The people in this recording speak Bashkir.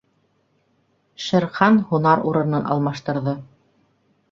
— Шер Хан һунар урынын алмаштырҙы.